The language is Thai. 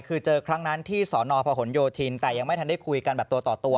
คือเจอครั้งนั้นที่สนพหนโยธินแต่ยังไม่ทันได้คุยกันแบบตัวต่อตัว